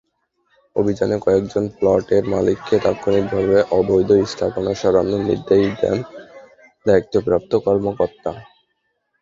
অভিযানে কয়েকজন প্লটের মালিককে তাৎক্ষণিকভাবে অবৈধ স্থাপনা সরানোর নির্দেশ দেন দায়িত্বপ্রাপ্ত কর্মকর্তা।